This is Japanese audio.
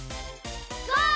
ゴー！